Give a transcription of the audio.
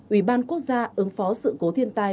ủy ban quốc gia ứng phó sự cố thiên tai